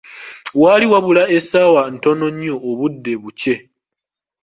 Waali wabula essaawa ntono nnyo obudde bukye.